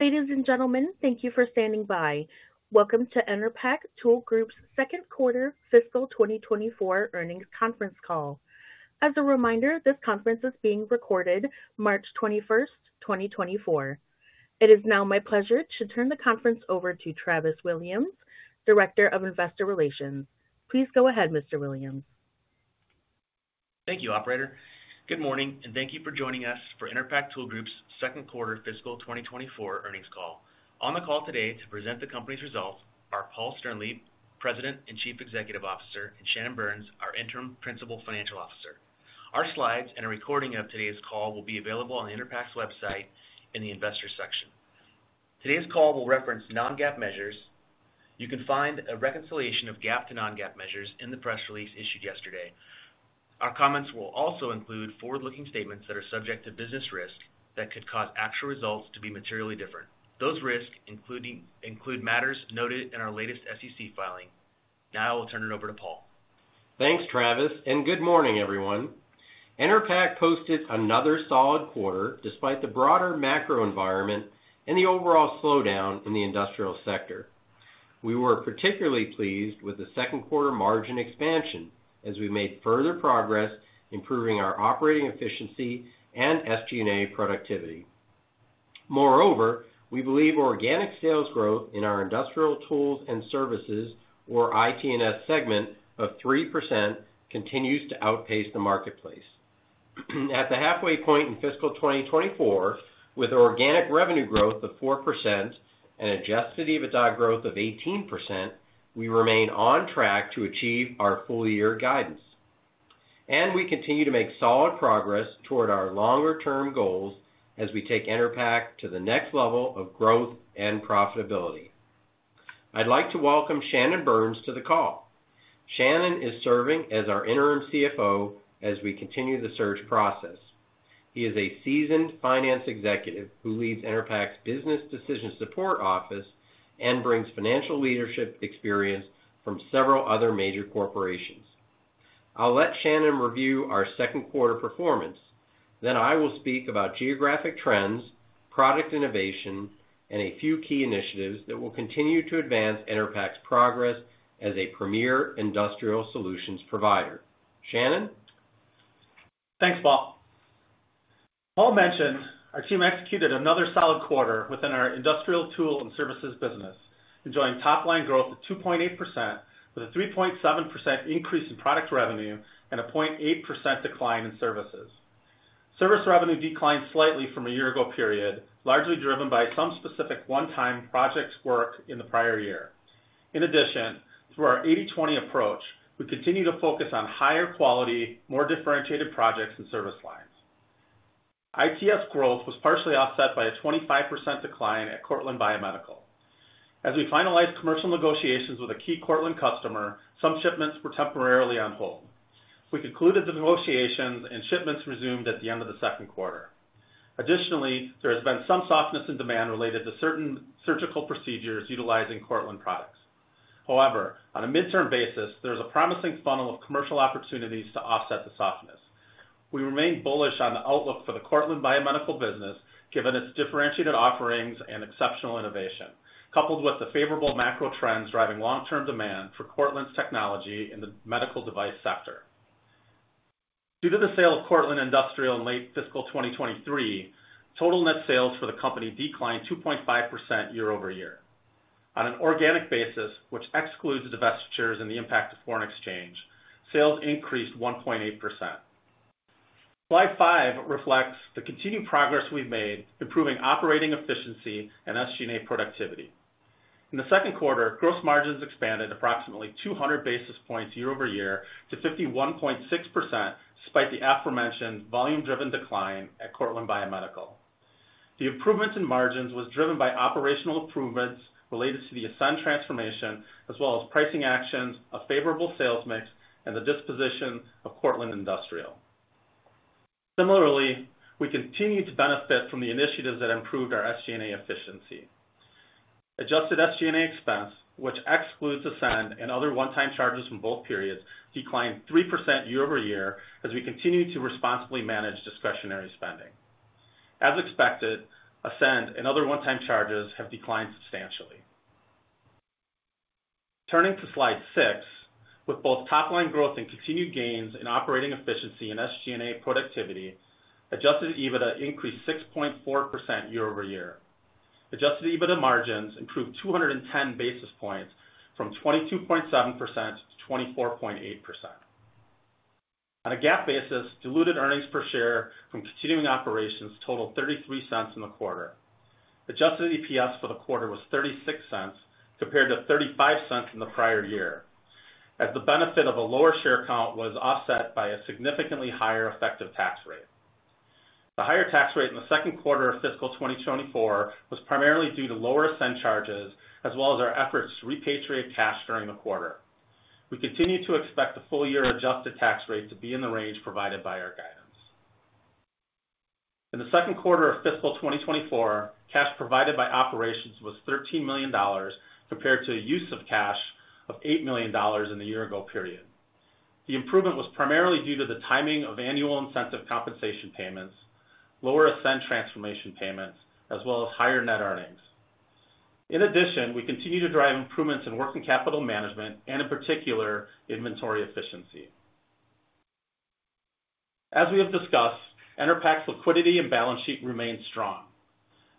Ladies and gentlemen, thank you for standing by. Welcome to Enerpac Tool Group's Second Quarter Fiscal 2024 Earnings Conference Call. As a reminder, this conference is being recorded March 21st, 2024. It is now my pleasure to turn the conference over to Travis Williams, Director of Investor Relations. Please go ahead, Mr. Williams. Thank you, Operator. Good morning, and thank you for joining us for Enerpac Tool Group's Second Quarter Fiscal 2024 Earnings Call. On the call today to present the company's results are Paul Sternlieb, President and Chief Executive Officer, and Shannon Burns, our Interim Principal Financial Officer. Our slides and a recording of today's call will be available on Enerpac's website in the Investor section. Today's call will reference non-GAAP measures. You can find a reconciliation of GAAP to non-GAAP measures in the press release issued yesterday. Our comments will also include forward-looking statements that are subject to business risk that could cause actual results to be materially different. Those risks include matters noted in our latest SEC filing. Now I will turn it over to Paul. Thanks, Travis, and good morning, everyone. Enerpac posted another solid quarter despite the broader macro environment and the overall slowdown in the industrial sector. We were particularly pleased with the second quarter margin expansion as we made further progress improving our operating efficiency and SG&A productivity. Moreover, we believe organic sales growth in our Industrial Tools and Services, or IT&S segment, of 3% continues to outpace the marketplace. At the halfway point in fiscal 2024, with organic revenue growth of 4% and adjusted EBITDA growth of 18%, we remain on track to achieve our full-year guidance. We continue to make solid progress toward our longer-term goals as we take Enerpac to the next level of growth and profitability. I'd like to welcome Shannon Burns to the call. Shannon is serving as our Interim CFO as we continue the search process. He is a seasoned finance executive who leads Enerpac's Business Decision Support Office and brings financial leadership experience from several other major corporations. I'll let Shannon review our second quarter performance, then I will speak about geographic trends, product innovation, and a few key initiatives that will continue to advance Enerpac's progress as a premier industrial solutions provider. Shannon? Thanks, Paul. Paul mentioned our team executed another solid quarter within our Industrial Tools and Services business, enjoying top-line growth of 2.8% with a 3.7% increase in product revenue and a 0.8% decline in Services. Service revenue declined slightly from a year-ago period, largely driven by some specific one-time project work in the prior year. In addition, through our 80/20 approach, we continue to focus on higher quality, more differentiated projects and service lines. ITS growth was partially offset by a 25% decline at Cortland Biomedical. As we finalized commercial negotiations with a key Cortland customer, some shipments were temporarily on hold. We concluded the negotiations, and shipments resumed at the end of the second quarter. Additionally, there has been some softness in demand related to certain surgical procedures utilizing Cortland products. However, on a midterm basis, there is a promising funnel of commercial opportunities to offset the softness. We remain bullish on the outlook for the Cortland Biomedical business given its differentiated offerings and exceptional innovation, coupled with the favorable macro trends driving long-term demand for Cortland's technology in the medical device sector. Due to the sale of Cortland Industrial in late fiscal 2023, total net sales for the company declined 2.5% year-over-year. On an organic basis, which excludes divestitures and the impact of foreign exchange, sales increased 1.8%. Slide five reflects the continued progress we've made improving operating efficiency and SG&A productivity. In the second quarter, gross margins expanded approximately 200 basis points year-over-year to 51.6% despite the aforementioned volume-driven decline at Cortland Biomedical. The improvement in margins was driven by operational improvements related to the ASCEND transformation, as well as pricing actions, a favorable sales mix, and the disposition of Cortland Industrial. Similarly, we continue to benefit from the initiatives that improved our SG&A efficiency. Adjusted SG&A expense, which excludes ASCEND and other one-time charges from both periods, declined 3% year-over-year as we continue to responsibly manage discretionary spending. As expected, ASCEND and other one-time charges have declined substantially. Turning to slide six, with both top-line growth and continued gains in operating efficiency and SG&A productivity, adjusted EBITDA increased 6.4% year-over-year. Adjusted EBITDA margins improved 210 basis points from 22.7% to 24.8%. On a GAAP basis, diluted earnings per share from continuing operations totaled $0.33 in the quarter. Adjusted EPS for the quarter was $0.36 compared to $0.35 in the prior year, as the benefit of a lower share count was offset by a significantly higher effective tax rate. The higher tax rate in the second quarter of fiscal 2024 was primarily due to lower ASCEND charges, as well as our efforts to repatriate cash during the quarter. We continue to expect the full-year adjusted tax rate to be in the range provided by our guidance. In the second quarter of fiscal 2024, cash provided by operations was $13 million compared to a use of cash of $8 million in the year-ago period. The improvement was primarily due to the timing of annual incentive compensation payments, lower ASCEND transformation payments, as well as higher net earnings. In addition, we continue to drive improvements in working capital management and, in particular, inventory efficiency. As we have discussed, Enerpac's liquidity and balance sheet remained strong.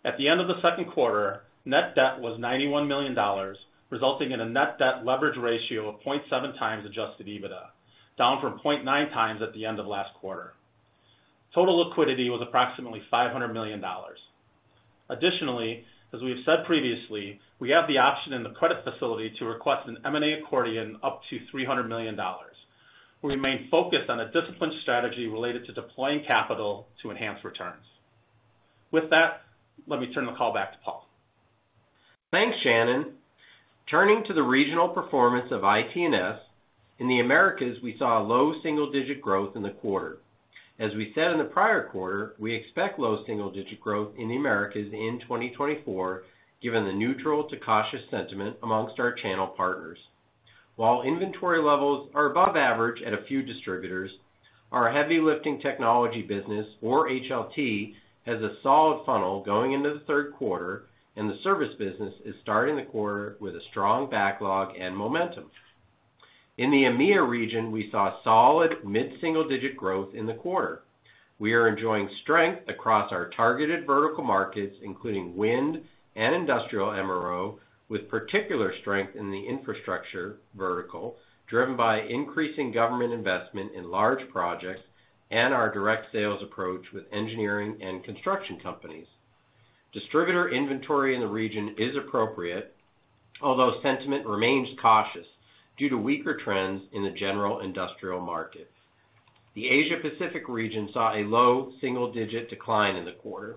At the end of the second quarter, net debt was $91 million, resulting in a net debt leverage ratio of 0.7x adjusted EBITDA, down from 0.9x at the end of last quarter. Total liquidity was approximately $500 million. Additionally, as we have said previously, we have the option in the credit facility to request an M&A accordion up to $300 million. We remain focused on a disciplined strategy related to deploying capital to enhance returns. With that, let me turn the call back to Paul. Thanks, Shannon. Turning to the regional performance of IT&S, in the Americas we saw low single-digit growth in the quarter. As we said in the prior quarter, we expect low single-digit growth in the Americas in 2024 given the neutral to cautious sentiment amongst our channel partners. While inventory levels are above average at a few distributors, our Heavy Lifting Technology business, or HLT, has a solid funnel going into the third quarter, and the Service business is starting the quarter with a strong backlog and momentum. In the EMEA region, we saw solid mid-single-digit growth in the quarter. We are enjoying strength across our targeted vertical markets, including Wind and Industrial MRO, with particular strength in the infrastructure vertical driven by increasing government investment in large projects and our direct sales approach with engineering and construction companies. Distributor inventory in the region is appropriate, although sentiment remains cautious due to weaker trends in the general industrial market. The Asia-Pacific region saw a low single-digit decline in the quarter.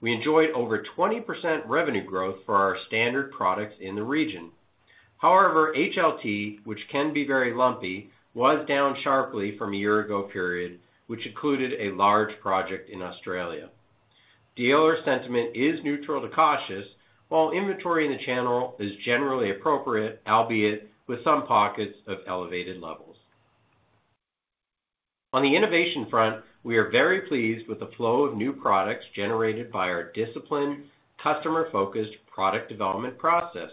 We enjoyed over 20% revenue growth for our standard products in the region. However, HLT, which can be very lumpy, was down sharply from a year-ago period, which included a large project in Australia. Dealer sentiment is neutral to cautious, while inventory in the channel is generally appropriate, albeit with some pockets of elevated levels. On the innovation front, we are very pleased with the flow of new products generated by our disciplined, customer-focused product development process.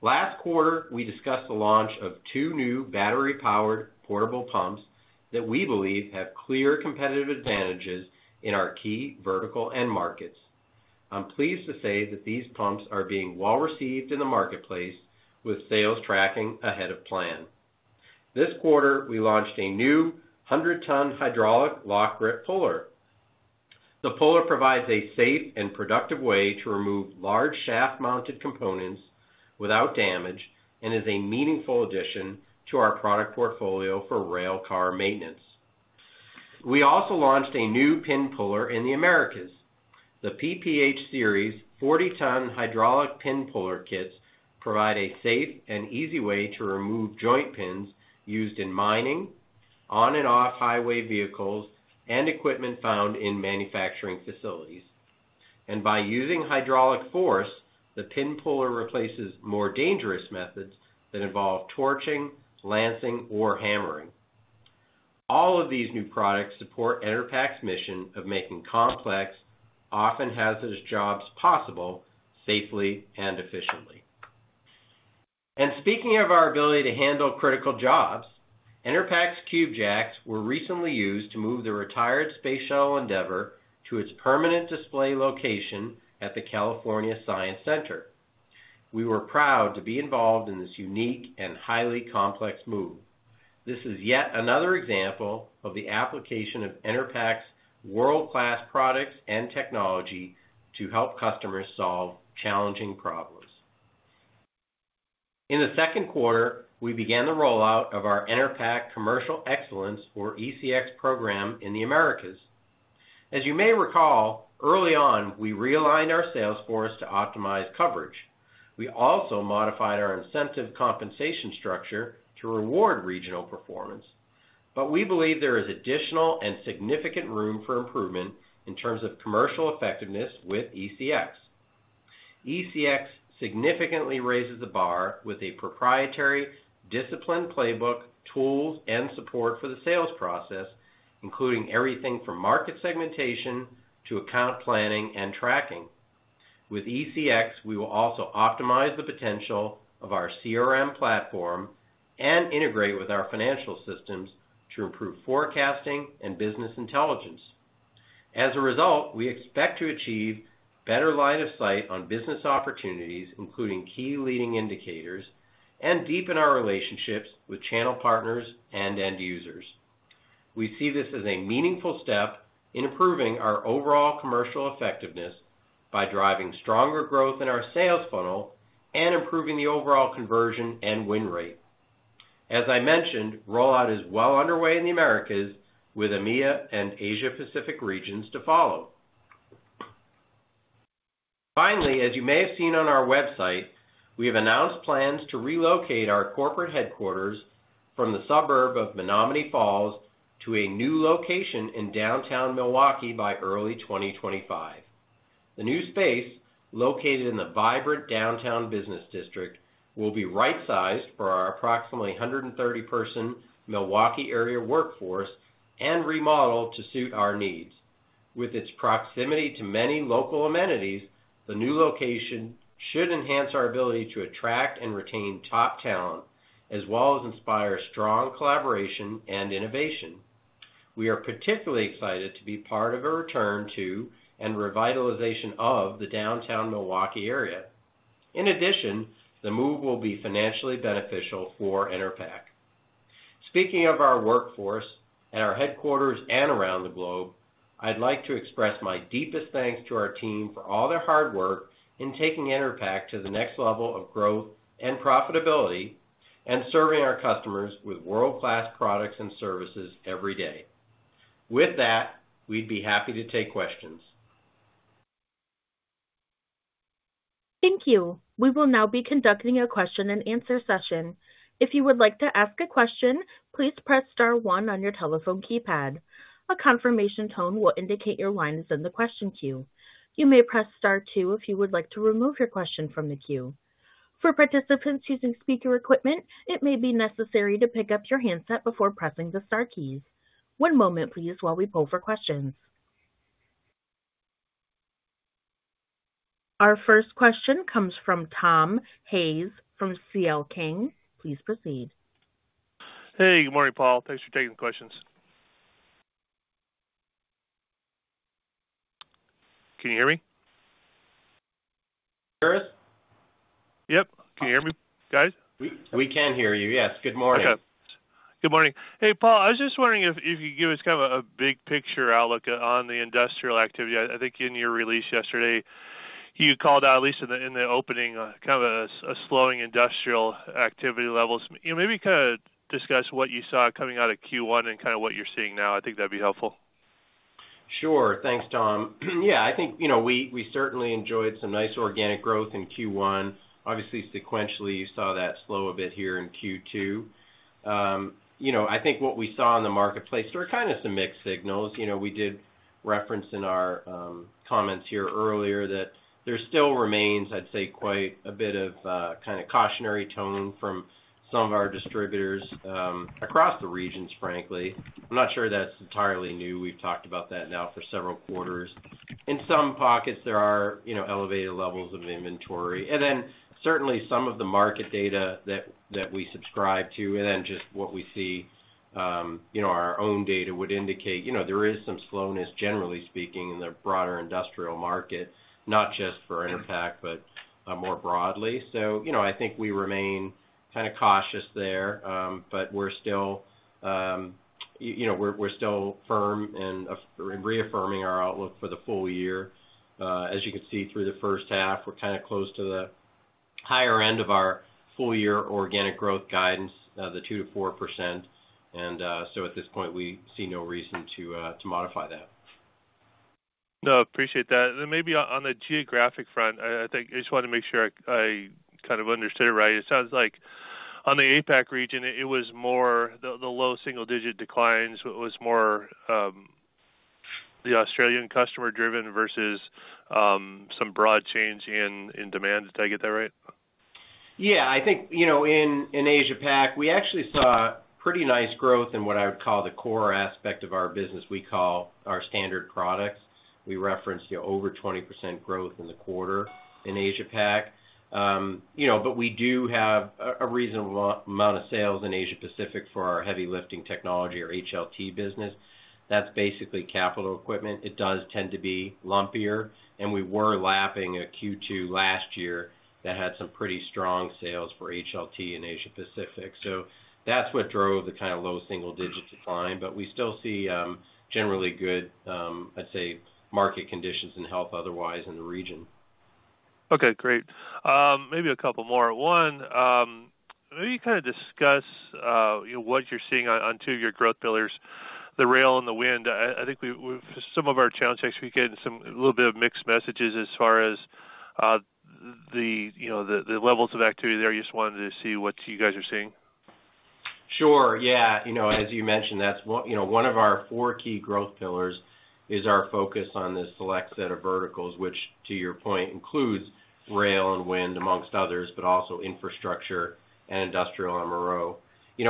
Last quarter, we discussed the launch of two new battery-powered portable pumps that we believe have clear competitive advantages in our key vertical and markets. I'm pleased to say that these pumps are being well received in the marketplace, with sales tracking ahead of plan. This quarter, we launched a new 100-ton hydraulic lock grip puller. The puller provides a safe and productive way to remove large shaft-mounted components without damage and is a meaningful addition to our product portfolio for rail car maintenance. We also launched a new pin puller in the Americas. The PPH-Series 40-ton hydraulic pin puller kits provide a safe and easy way to remove joint pins used in mining, on and off highway vehicles, and equipment found in manufacturing facilities. By using hydraulic force, the pin puller replaces more dangerous methods that involve torching, lancing, or hammering. All of these new products support Enerpac's mission of making complex, often hazardous jobs possible safely and efficiently. Speaking of our ability to handle critical jobs, Enerpac's Cube Jacks were recently used to move the retired Space Shuttle Endeavour to its permanent display location at the California Science Center. We were proud to be involved in this unique and highly complex move. This is yet another example of the application of Enerpac's world-class products and technology to help customers solve challenging problems. In the second quarter, we began the rollout of our Enerpac Commercial Excellence, or ECX, program in the Americas. As you may recall, early on, we realigned our sales force to optimize coverage. We also modified our incentive compensation structure to reward regional performance. We believe there is additional and significant room for improvement in terms of commercial effectiveness with ECX. ECX significantly raises the bar with a proprietary, disciplined playbook, tools, and support for the sales process, including everything from market segmentation to account planning and tracking. With ECX, we will also optimize the potential of our CRM platform and integrate with our financial systems to improve forecasting and business intelligence. As a result, we expect to achieve better line of sight on business opportunities, including key leading indicators, and deepen our relationships with channel partners and end users. We see this as a meaningful step in improving our overall commercial effectiveness by driving stronger growth in our sales funnel and improving the overall conversion and win rate. As I mentioned, rollout is well underway in the Americas, with EMEA and Asia-Pacific regions to follow. Finally, as you may have seen on our website, we have announced plans to relocate our corporate headquarters from the suburb of Menomonee Falls to a new location in downtown Milwaukee by early 2025. The new space, located in the vibrant downtown business district, will be right-sized for our approximately 130-person Milwaukee area workforce and remodeled to suit our needs. With its proximity to many local amenities, the new location should enhance our ability to attract and retain top talent, as well as inspire strong collaboration and innovation. We are particularly excited to be part of a return to and revitalization of the downtown Milwaukee area. In addition, the move will be financially beneficial for Enerpac. Speaking of our workforce at our headquarters and around the globe, I'd like to express my deepest thanks to our team for all their hard work in taking Enerpac to the next level of growth and profitability and serving our customers with world-class products and services every day. With that, we'd be happy to take questions. Thank you. We will now be conducting a question-and-answer session. If you would like to ask a question, please press star one on your telephone keypad. A confirmation tone will indicate your line is in the question queue. You may press star twoif you would like to remove your question from the queue. For participants using speaker equipment, it may be necessary to pick up your handset before pressing the star keys. One moment, please, while we pull for questions. Our first question comes from Tom Hayes from CL King. Please proceed. Hey. Good morning, Paul. Thanks for taking the questions. Can you hear me? [inaudible] Yep. Can you hear me, guys? We can hear you, yes. Good morning. Okay. Good morning. Hey, Paul, I was just wondering if you could give us kind of a big picture outlook on the industrial activity. I think in your release yesterday, you called out, at least in the opening, kind of a slowing industrial activity levels. Maybe you could kind of discuss what you saw coming out of Q1 and kind of what you're seeing now. I think that'd be helpful. Sure. Thanks, Tom. Yeah. I think we certainly enjoyed some nice organic growth in Q1. Obviously, sequentially, you saw that slow a bit here in Q2. I think what we saw in the marketplace there were kind of some mixed signals. We did reference in our comments here earlier that there still remains, I'd say, quite a bit of kind of cautionary tone from some of our distributors across the regions, frankly. I'm not sure that's entirely new. We've talked about that now for several quarters. In some pockets, there are elevated levels of inventory. And then certainly, some of the market data that we subscribe to and then just what we see, our own data would indicate there is some slowness, generally speaking, in the broader industrial market, not just for Enerpac but more broadly. So I think we remain kind of cautious there, but we're still firm in reaffirming our outlook for the full year. As you can see through the first half, we're kind of close to the higher end of our full-year organic growth guidance, the 2%-4%. And so at this point, we see no reason to modify that. No. Appreciate that. And maybe on the geographic front, I just wanted to make sure I kind of understood it right. It sounds like on the APAC region, it was more the low single-digit declines was more the Australian customer-driven versus some broad change in demand. Did I get that right? Yeah. I think in Asia-Pac, we actually saw pretty nice growth in what I would call the core aspect of our business we call our standard products. We referenced over 20% growth in the quarter in Asia-Pac. But we do have a reasonable amount of sales in Asia-Pacific for our Heavy Lifting Technology, our HLT business. That's basically capital equipment. It does tend to be lumpier. And we were lapping a Q2 last year that had some pretty strong sales for HLT in Asia-Pacific. So that's what drove the kind of low single-digit decline. But we still see generally good, I'd say, market conditions and health otherwise in the region. Okay. Great. Maybe a couple more. One, maybe you kind of discuss what you're seeing on two of your growth pillars, the Rail and the Wind. I think with some of our channel checks, we get a little bit of mixed messages as far as the levels of activity there. I just wanted to see what you guys are seeing. Sure. Yeah. As you mentioned, one of our four key growth pillars is our focus on this select set of verticals, which, to your point, includes Rail and Wind, among others, but also Infrastructure and Industrial MRO.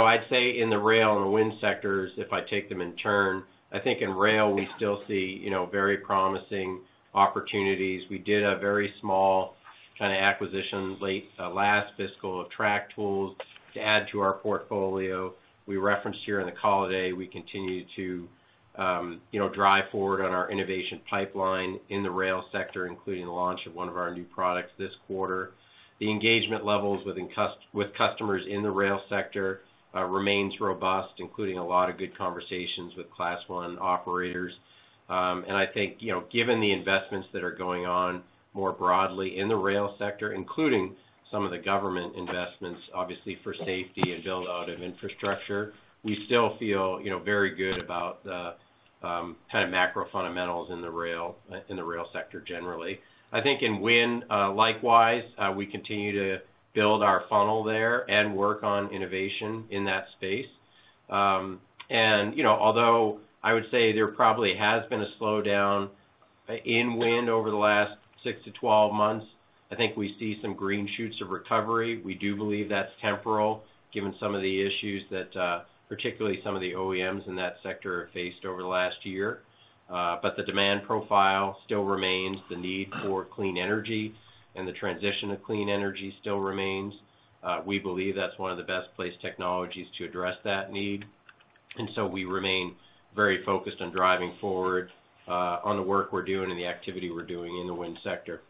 I'd say in the rail and the wind sectors, if I take them in turn, I think in Rail, we still see very promising opportunities. We did a very small kind of acquisition last fiscal of Track Tools to add to our portfolio. We referenced here in the holiday, we continue to drive forward on our innovation pipeline in the rail sector, including the launch of one of our new products this quarter. The engagement levels with customers in the rail sector remains robust, including a lot of good conversations with Class 1 operators. I think given the investments that are going on more broadly in the rail sector, including some of the government investments, obviously, for safety and build-out of infrastructure, we still feel very good about the kind of macro fundamentals in the rail sector generally. I think in Wind, likewise, we continue to build our funnel there and work on innovation in that space. Although I would say there probably has been a slowdown in wind over the last six to 12 months, I think we see some green shoots of recovery. We do believe that's temporal, given some of the issues that particularly some of the OEMs in that sector have faced over the last year. The demand profile still remains. The need for clean energy and the transition to clean energy still remains. We believe that's one of the best placed technologies to address that need. And so we remain very focused on driving forward on the work we're doing and the activity we're doing in the wind sector.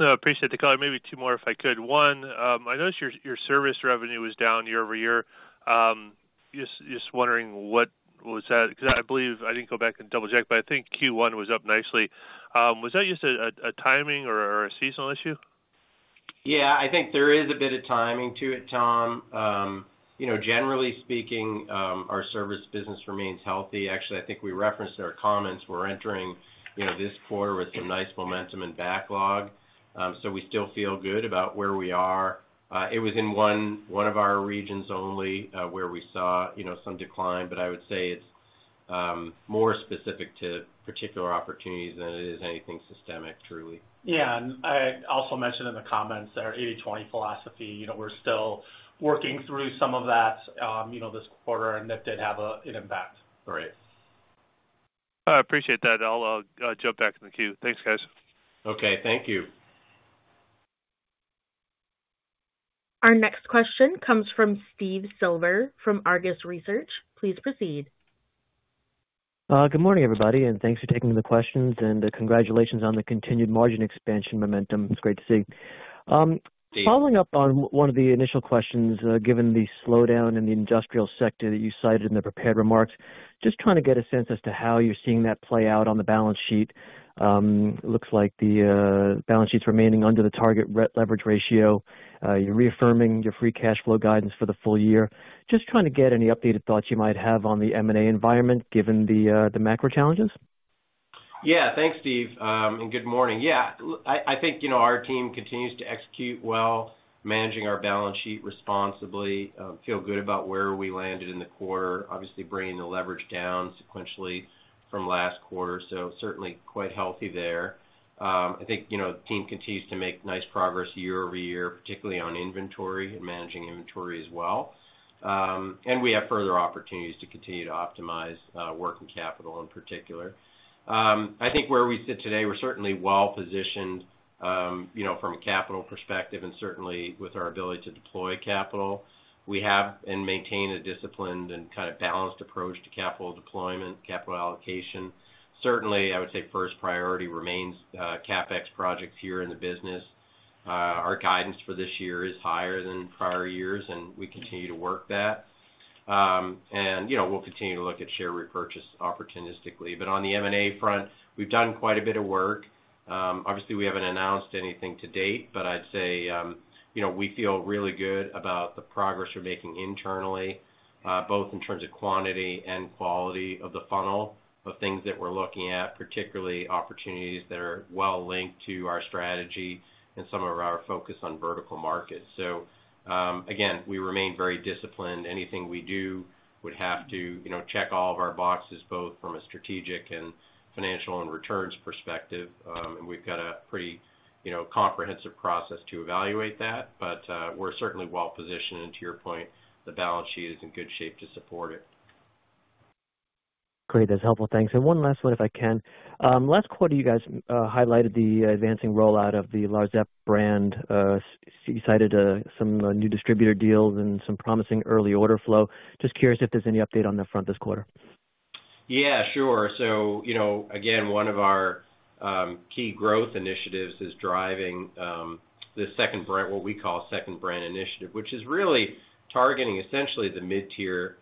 No. Appreciate the call. Maybe two more, if I could. One, I noticed your Service revenue was down year-over-year. Just wondering what was that? Because I didn't go back and double-check, but I think Q1 was up nicely. Was that just a timing or a seasonal issue? Yeah. I think there is a bit of timing to it, Tom. Generally speaking, our Service business remains healthy. Actually, I think we referenced in our comments, we're entering this quarter with some nice momentum and backlog. So we still feel good about where we are. It was in one of our regions only where we saw some decline. But I would say it's more specific to particular opportunities than it is anything systemic, truly. Yeah. I also mentioned in the comments our 80/20 philosophy. We're still working through some of that this quarter, and that did have an impact. All right. Appreciate that. I'll jump back in the queue. Thanks, guys. Okay. Thank you. Our next question comes from Steve Silver from Argus Research. Please proceed. Good morning, everybody. Thanks for taking the questions. Congratulations on the continued margin expansion momentum. It's great to see. Steve. Following up on one of the initial questions, given the slowdown in the industrial sector that you cited in the prepared remarks, just trying to get a sense as to how you're seeing that play out on the balance sheet. It looks like the balance sheet's remaining under the target leverage ratio. You're reaffirming your free cash flow guidance for the full year. Just trying to get any updated thoughts you might have on the M&A environment, given the macro challenges. Yeah. Thanks, Steve. And good morning. Yeah. I think our team continues to execute well, managing our balance sheet responsibly, feel good about where we landed in the quarter, obviously bringing the leverage down sequentially from last quarter. So certainly quite healthy there. I think the team continues to make nice progress year-over-year, particularly on inventory and managing inventory as well. And we have further opportunities to continue to optimize working capital, in particular. I think where we sit today, we're certainly well-positioned from a capital perspective and certainly with our ability to deploy capital. We have and maintain a disciplined and kind of balanced approach to capital deployment, capital allocation. Certainly, I would say first priority remains CapEx projects here in the business. Our guidance for this year is higher than prior years, and we continue to work that. We'll continue to look at share repurchase opportunistically. But on the M&A front, we've done quite a bit of work. Obviously, we haven't announced anything to date, but I'd say we feel really good about the progress we're making internally, both in terms of quantity and quality of the funnel of things that we're looking at, particularly opportunities that are well-linked to our strategy and some of our focus on vertical markets. So again, we remain very disciplined. Anything we do would have to check all of our boxes, both from a strategic and financial and returns perspective. And we've got a pretty comprehensive process to evaluate that. But we're certainly well-positioned, and to your point, the balance sheet is in good shape to support it. Great. That's helpful. Thanks. And one last one, if I can. Last quarter, you guys highlighted the advancing rollout of the Larzep brand. You cited some new distributor deals and some promising early order flow. Just curious if there's any update on that front this quarter. Yeah. Sure. So again, one of our key growth initiatives is driving what we call second-branch initiative, which is really targeting essentially the mid-tier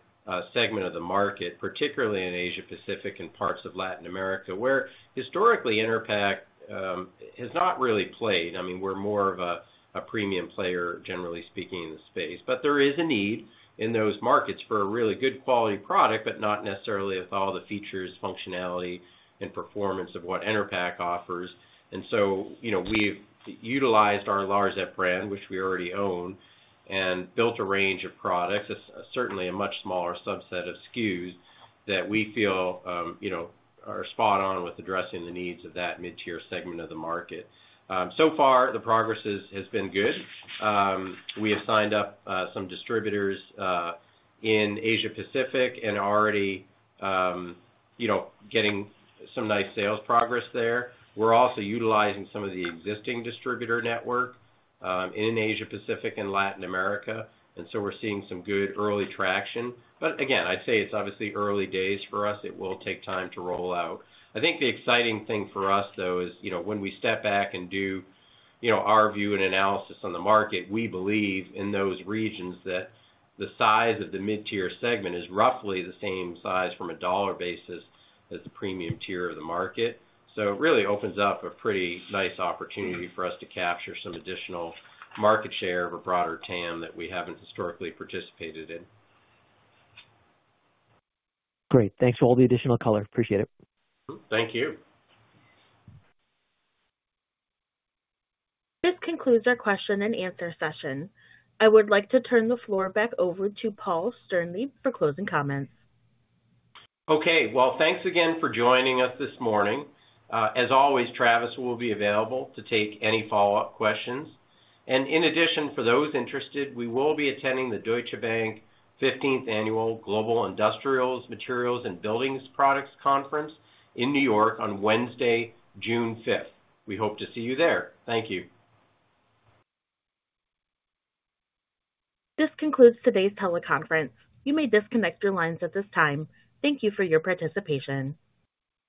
segment of the market, particularly in Asia-Pacific and parts of Latin America, where historically, Enerpac has not really played. I mean, we're more of a premium player, generally speaking, in the space. But there is a need in those markets for a really good quality product, but not necessarily with all the features, functionality, and performance of what Enerpac offers. And so we've utilized our Larzep brand, which we already own, and built a range of products, certainly a much smaller subset of SKUs, that we feel are spot-on with addressing the needs of that mid-tier segment of the market. So far, the progress has been good. We have signed up some distributors in Asia-Pacific and are already getting some nice sales progress there. We're also utilizing some of the existing distributor network in Asia-Pacific and Latin America. And so we're seeing some good early traction. But again, I'd say it's obviously early days for us. It will take time to roll out. I think the exciting thing for us, though, is when we step back and do our view and analysis on the market, we believe in those regions that the size of the mid-tier segment is roughly the same size from a dollar basis as the premium tier of the market. So it really opens up a pretty nice opportunity for us to capture some additional market share of a broader TAM that we haven't historically participated in. Great. Thanks for all the additional color. Appreciate it. Thank you. This concludes our question and answer session. I would like to turn the floor back over to Paul Sternlieb for closing comments. Okay. Well, thanks again for joining us this morning. As always, Travis will be available to take any follow-up questions. And in addition, for those interested, we will be attending the Deutsche Bank 15th Annual Global Industrials, Materials, and Buildings Products Conference in New York on Wednesday, June 5th. We hope to see you there. Thank you. This concludes today's teleconference. You may disconnect your lines at this time. Thank you for your participation.